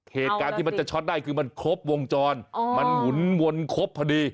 เหตุการณ์ที่มันจะช็อตได้คือมันครบวงจรมันหมุนวนครบพอดี